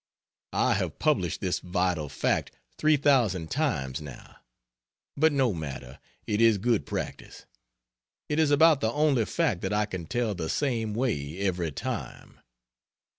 I have published this vital fact 3,000 times now. But no matter, it is good practice; it is about the only fact that I can tell the same way every time.